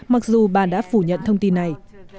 mặc dù bà đã phủ nhận thông tin này